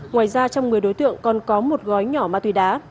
ngoài ra trong người đối tượng còn có một gói nhỏ ma túy đá